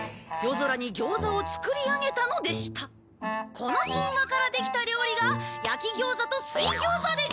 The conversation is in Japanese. この神話からできた料理が焼き餃子と水餃子です。